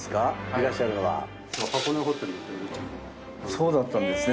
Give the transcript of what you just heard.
そうだったんですね。